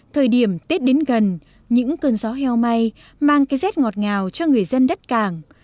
thời điểm tết đến gần những cơn gió heo may mang cái rét ngọt ngào cho người dân đất cảng